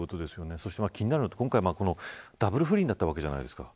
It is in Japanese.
そして気になるのは今回ダブル不倫だったわけじゃないですか。